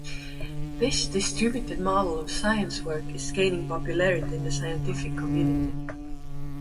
This distributed model of science work is gaining popularity in the scientific community.